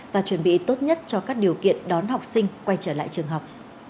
và chuẩn bị tốt nhất cho các điều kiện đón học sinh quay trở lại trường học